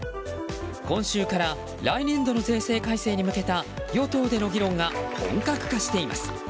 今週から来年度の税制改正に向けた与党での議論が本格化しています。